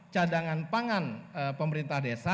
cadangan pangan pemerintah desa